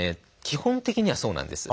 基本的にはそうなんです。